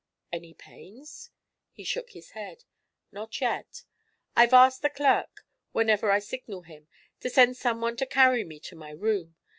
"Any pains?" He shook his head. "Not yet. I've asked the clerk, whenever I signal him, to send someone to carry me to my room.